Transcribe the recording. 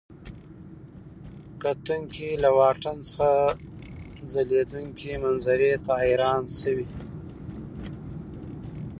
کتونکي له واټن څخه ځلېدونکي منظرې ته حیران شوي.